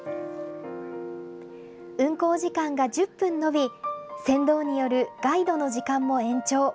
運航時間が１０分延び、船頭によるガイドの時間も延長。